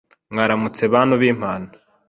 Mwaramutse bantu bi imana